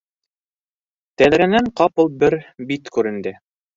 Тәҙрәнән ҡапыл бер бит күренде.